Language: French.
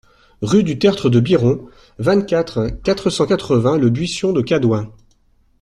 Rue du Tertre de Biron, vingt-quatre, quatre cent quatre-vingts Le Buisson-de-Cadouin